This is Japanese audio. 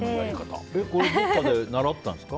これはどこかで習ったんですか？